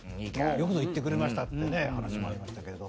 よくぞ言ってくれましたってね話もありましたけれど。